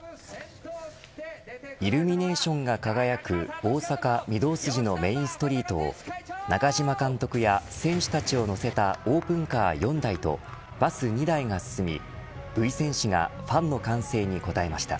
イルミネーションが輝く大阪、御堂筋のメーンストリートを中嶋監督や選手たちを乗せたオープンカー４台とバス２台が進みＶ戦士がファンの歓声に応えました。